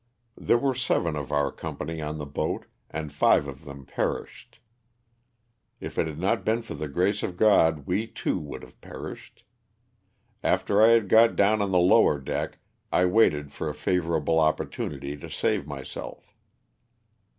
There were seven of our company on the boat, and five of them perished. If it had not been for the grace of God we too would have perished. After I had got down on the lower deck I waited for a favorable oppor tunity to save myself.